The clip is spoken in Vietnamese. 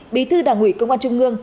bí thư đảng ủy công an trung ương